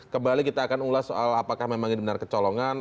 kembali kita akan ulas soal apakah memang ini benar kecolongan